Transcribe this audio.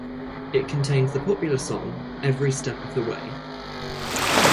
It contains the popular song "Every Step of the Way".